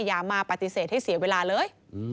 อย่ามาปฏิเสธให้เสียเวลาเลย